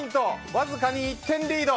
わずかに１点リード！